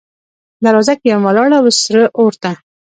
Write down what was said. دروازه کې یم ولاړه، وه سره اور ته